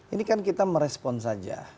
ini kan kita merespon saja